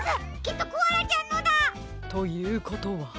きっとコアラちゃんのだ！ということは？